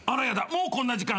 もうこんな時間。